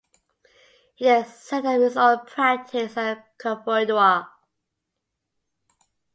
He then set up his own practice at Koforidua.